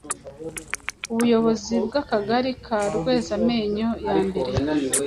ubuyobozi bw’akagari ka rwezamenyo yambere